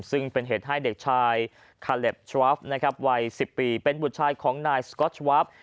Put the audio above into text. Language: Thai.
ซึ่งเป็นเหตุให้เด็กชายคาเล็บทราฟนะครับวัย๑๐ปีเป็นบุตรชายของนายสก๊อตชวาป